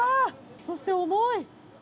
そして重い。